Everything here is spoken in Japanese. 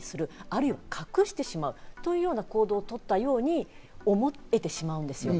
ある意味、隠してしまうというような行動を取ったように思えてしまうんですよ。